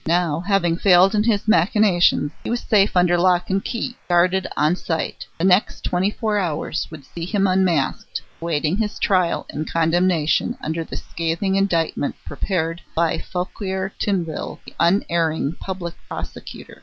Now, having failed in his machinations, he was safe under lock and key guarded on sight. The next twenty four hours would see him unmasked, awaiting his trial and condemnation under the scathing indictment prepared by Fouquier Tinville, the unerring Public Prosecutor.